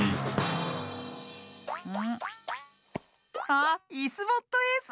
あっ「イスボットエース」！